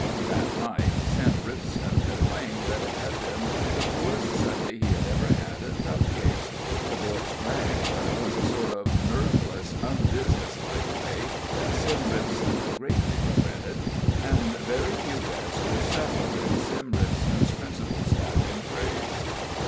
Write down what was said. That night Sim Ripson complained that it had been the poorest Sunday he had ever had at Tough Case; the boys drank, but it was a sort of nerveless, unbusinesslike way that Sim Ripson greatly regretted; and very few bets were settled in Sim Ripson's principal stock in trade.